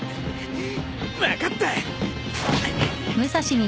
分かった！